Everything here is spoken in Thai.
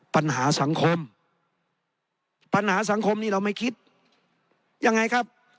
ปัญหาสังคมปัญหาสังคมนี้เราไม่คิดยังไงครับ